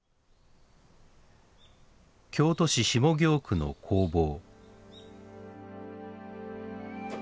京都市下京区の工房。